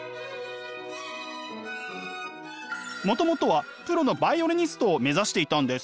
もともとはプロのバイオリニストを目指していたんです。